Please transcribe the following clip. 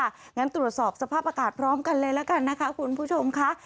งั้นตรวจสอบสภาพอากาศพร้อมกันเลยละกันนะคะคุณผู้ชมค่ะ